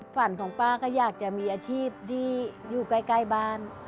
ฝันของป้าก็อยากจะมีอาชีพที่อยู่ใกล้บ้าน